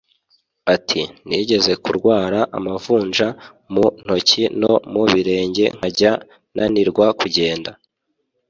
Ati “Nigeze kurwara amavunja mu ntoki no mu birenge nkajya nanirwa kugenda